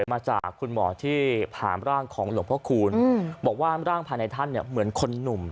มาจากคุณหมอที่ผ่านร่างของหลวงพ่อคูณบอกว่าร่างภายในท่านเนี่ยเหมือนคนหนุ่ม